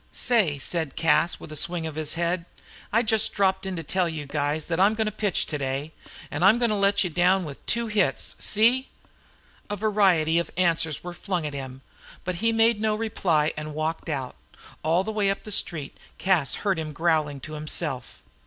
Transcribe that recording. "Say," said Cas, with a swing of his head, "I just dropped in to tell you guys that I'm going to pitch today, and I'm going to let you down with two hits. See!" A variety of answers were flung at him, but he made no reply and walked out. All the way up the street Chase heard him growling to himself.